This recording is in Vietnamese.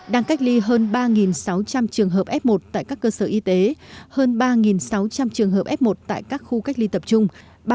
đang cách ly hơn ba sáu trăm linh trường hợp f một tại các cơ sở y tế hơn ba sáu trăm linh trường hợp f một tại các khu cách ly tập trung